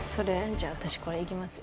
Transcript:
じゃあ私これいきますよ。